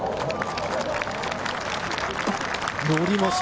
乗りました。